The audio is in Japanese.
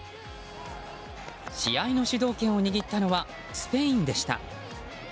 試合の主導権を握ったのはスペインでした。